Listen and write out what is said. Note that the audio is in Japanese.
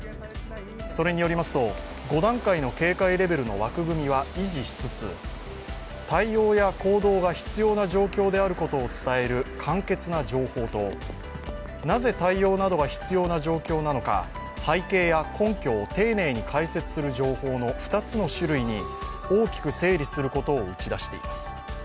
それによりますと、５段階の警戒レベルの枠組みは維持しつつ、対応や行動が必要な状況であることを伝える簡潔な情報となぜ対応などが必要な状況なのか背景や根拠を丁寧に解説する情報の２つの種類に大きく整理することを打ち出しています。